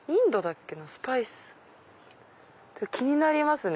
気になりますね。